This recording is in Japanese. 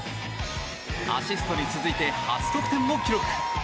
アシストに続いて初得点も記録。